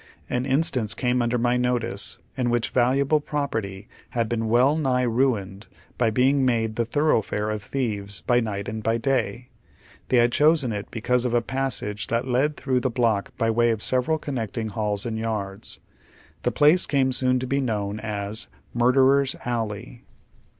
An instance came under my notice in which valuable property had been weli nigh ruined by being made the thorough fare of thieves by night and by day. They liad chosen it because of a passage that led through the block by way of several connecting hulls and yards. The place came soon to be known as " Murderers Alley."